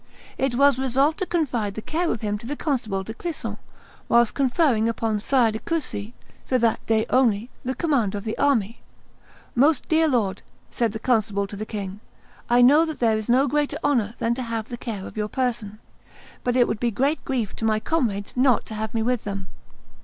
It was resolved to confide the care of him to the constable de Clisson, whilst conferring upon Sire de Coucy, for that day only, the command of the army. "Most dear lord," said the constable to the king, "I know that there is no greater honor than to have the care of your person; but it would be great grief to my comrades not to have me with them.